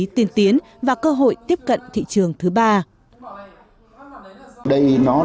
tiên tiến và cơ hội tiếp cận thị trường thứ ba